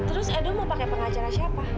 terus edo mau pakai pengacara siapa